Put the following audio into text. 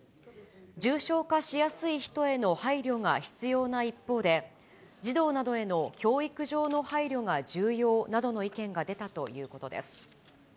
重症化しやすい人への配慮が必要な一方で、児童などへの教育上の配慮が重要などの意見が出たということです。